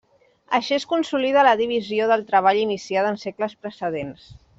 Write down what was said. Així es consolida la divisió del treball iniciada en segles precedents.